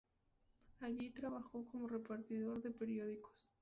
Allí trabajó como repartidor de periódicos.